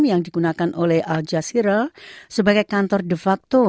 yang dikutuk oleh al jazeera sebagai kantor de facto